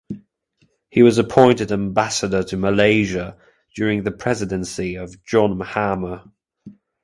He was appointed Ambassador to Malaysia during the presidency of John Mahama.